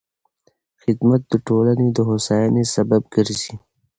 خدمت د ټولنې د هوساینې سبب ګرځي.